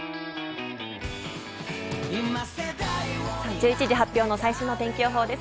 １１時発表の最新の天気予報です。